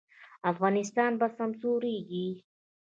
افغانستان به سمسوریږي؟